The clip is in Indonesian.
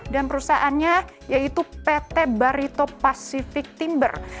dan perusahaannya yaitu pt barito pacific timber